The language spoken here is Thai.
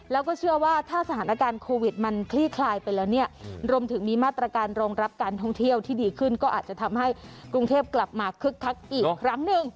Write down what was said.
แล้วก็เชื่อว่าถ้าสถานการณ์โควิดมันคลี่คลายไปแล้วเนี่ยรวมถึงมีมาตรการรองรับการท่องเที่ยวที่ดีขึ้นก็อาจจะทำให้กรุงเทพกลับมาคึกคักอีกครั้งหนึ่ง